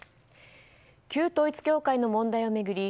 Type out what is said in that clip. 旧統一教会の問題を巡り